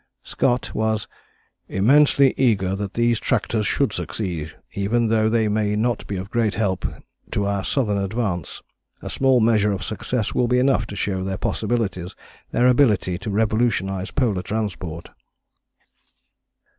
Scott was "immensely eager that these tractors should succeed, even though they may not be of great help to our Southern advance. A small measure of success will be enough to show their possibilities, their ability to revolutionize polar transport."